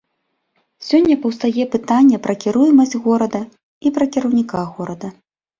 Сёння паўстае пытанне пра кіруемасць горада і пра кіраўніка горада.